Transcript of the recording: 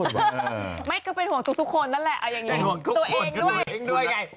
ดีฉันเลือก